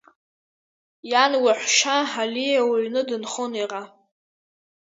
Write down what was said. Иан лаҳәшьа Олиа лыҩны дынхон иара.